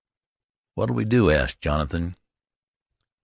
"What'll we do?" asked Jonathan.